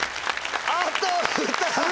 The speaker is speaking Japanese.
あと２つ。